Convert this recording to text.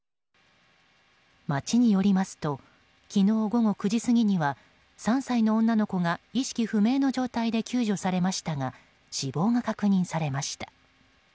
町によりますと昨日午後９時過ぎには３歳の女の子が意識不明の状態で救助されましたが死亡が確認されました。